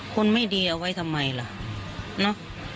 คนไม่ดีเอาไว้ทำไมล่ะเนาะ